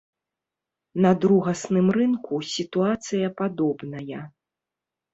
На другасным рынку сітуацыя падобная.